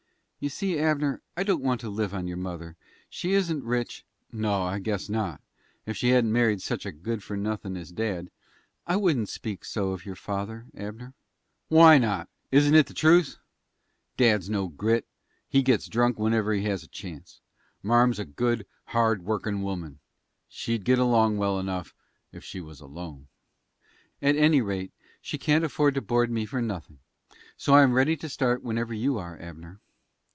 "You see, Abner, I don't want to live on your mother. She isn't rich " "No, I guess not. Ef she hadn't married sech a good for nothin' as dad " "I wouldn't speak so of your father, Abner." "Why not? Isn't it the truth? Dad's no grit. He gits drunk whenever he has a chance. Marm's a good, hard workin' woman. She'd git along well enough ef she was alone." "At any rate, she can't afford to board me for nothing. So I am ready to start whenever you are, Abner."